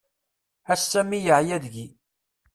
Ass-a mi yeɛya deg-i.